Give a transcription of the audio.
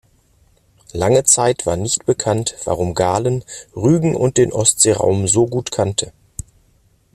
Lange Zeit war nicht bekannt, warum Galen Rügen und den Ostseeraum so gut kannte.